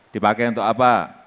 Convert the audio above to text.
dipakai untuk apa